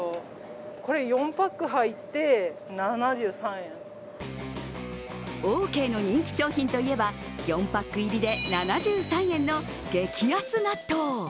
狙うはオーケーの人気商品といえば、４パック入りで７３円の激安納豆。